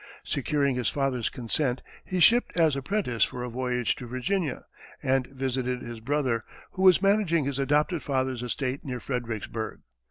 Securing his father's consent, he shipped as apprentice for a voyage to Virginia, and visited his brother, who was managing his adopted father's estate near Fredericksburg.